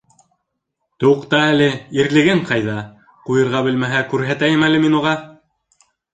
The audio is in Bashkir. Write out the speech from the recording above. Туҡта әле, ирлеген ҡайҙа ҡуйырға белмәһә, күрһәтәйем әле мин уға!